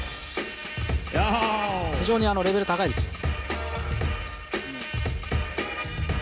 非常にレベル高いですよ。